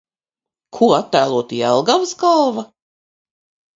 Ko attēlotu Jelgavas galva?